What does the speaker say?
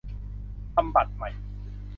ทำบัตรใหม่